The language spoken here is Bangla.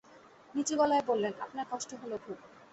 নিচু গলায় বললেন, আপনার কষ্ট হল খুব।